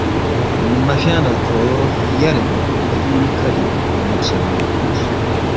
مہ فیا نہ کھو خیارین کُھوری کھرِنگ لوقسے اونگس